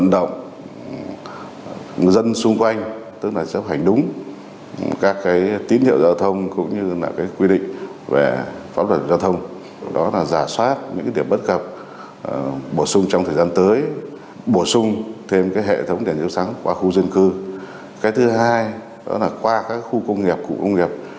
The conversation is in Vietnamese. đó là qua các khu công nghiệp cụ công nghiệp